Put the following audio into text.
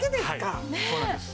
はいそうなんです。